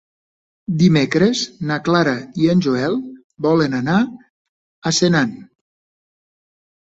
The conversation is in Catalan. Dimecres na Clara i en Joel volen anar a Senan.